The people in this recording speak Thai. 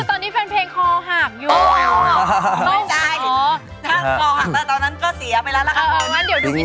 ถ้าขอหากเวลาตอนนั้นก็เสียไปแล้วล่ะครับ